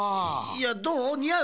いやどう？にあう？